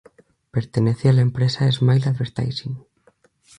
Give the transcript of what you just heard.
Pertenece a la empresa Smile Advertising.